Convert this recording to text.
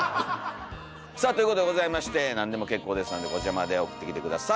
さあということでございまして何でも結構ですのでこちらまで送ってきて下さい。